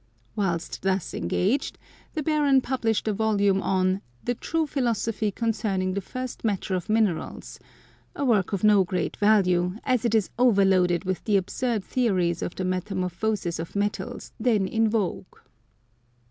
Whilst thus engaged, the Baron published a volume on The True Philosophy concerning the First Matter of Minerals, a work of no great value, as it is overloaded with the absurd theories of the metamorphosis of metals then in vogue.